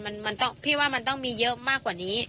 มันต้องพี่ว่ามันต้องมีเยอะมากกว่านี้